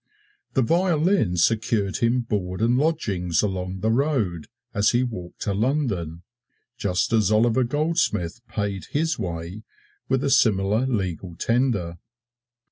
The violin secured him board and lodgings along the road as he walked to London, just as Oliver Goldsmith paid his way with a similar legal tender.